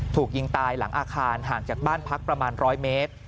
ถูกยิงตายหลังอาคารห่างจากบ้านพักประมาณ๑๐๐เมตร